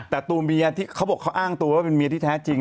แต่ตัวเมียที่เขาบอกเขาอ้างตัวว่าเป็นเมียที่แท้จริง